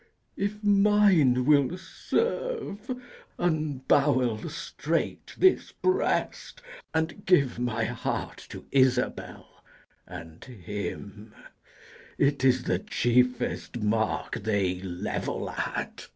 If mine will serve, unbowel straight this breast, And give my heart to Isabel and him: It is the chiefest mark they level at.